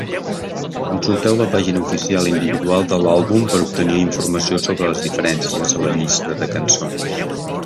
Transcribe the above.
Consulteu la pàgina oficial individual de l'àlbum per obtenir informació sobre les diferències a la llista de cançons.